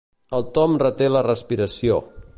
El Tom reté la respiració.